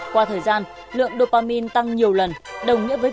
qua thời gian lượng dopamine tăng nhiều lần đồng nghĩa với việc phải ăn nhiều đường hơn